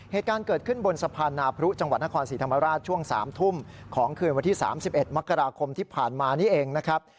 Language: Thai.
เหตุการณ์เกิดขึ้นบนสะพานนาพรุจังหวัดนครศรีธรรมราชช่วง๓ทุ่มของคืนวันที่๓๑มกราคมที่ผ่านมานี่เองนะครับ